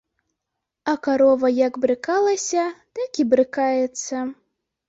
А карова як брыкалася, так і брыкаецца.